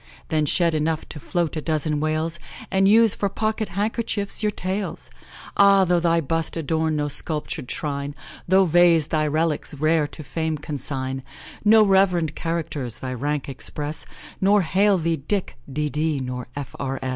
Then shed enough to float a dozen whales, And use for pocket handkerchiefs your tails! Ah! though thy bust adorn no sculptur'd shrine, No vase thy relics rare to fame consign; No rev'rend characters thy rank express, Nor hail thee, Dick, 'D.D. nor F.R.